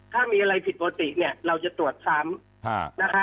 ถ้ามีอะไรผิดปกติเนี่ยเราจะตรวจซ้ำนะคะ